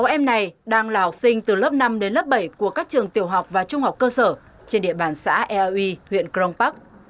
sáu em này đang là học sinh từ lớp năm đến lớp bảy của các trường tiểu học và trung học cơ sở trên địa bàn xã eui huyện crong park